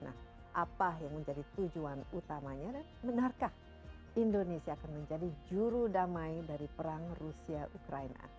nah apa yang menjadi tujuan utamanya dan benarkah indonesia akan menjadi juru damai dari perang rusia ukraina